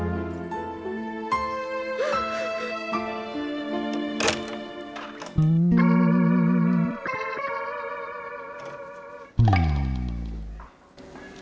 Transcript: mungkin dia bisa kandikanmu kehidupan